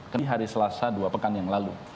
kami hari selasa dua pekan yang lalu